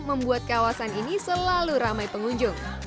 membuat kawasan ini selalu ramai pengunjung